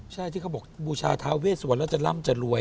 ใช่ที่เขาบอกบูชาทาเวสวรรค์แล้วจะร่ำจะรวย